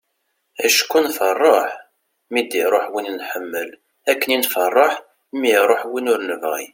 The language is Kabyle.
acku nfeṛṛeḥ mi d-iruḥ win nḥemmel akken i nfeṛṛeḥ mi iruḥ win ur nebɣi